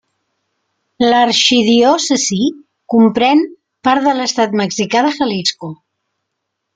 L'arxidiòcesi comprèn part de l'estat mexicà de Jalisco.